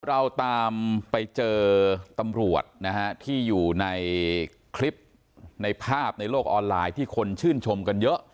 เราตามไปเจอตำรวจนะฮะที่อยู่ในคลิปในภาพในโลกออนไลน์ที่คนชื่นชมกันเยอะ